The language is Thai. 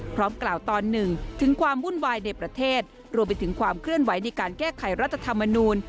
พร้อมกล่าวตอนหนึ่งถึงความวุ่นวายในประเทศรวมไปถึงความเคลื่อนไหวในการแก้ไขรัฐธรรมนูล